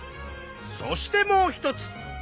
そしてもう一つ。